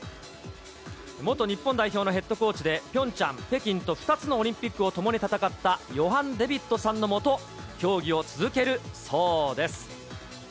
元日本代表のヘッドコーチで、ピョンチャン、北京と２つのオリンピックを共に戦ったヨハン・デビットさんの下、競技を続けるそうです。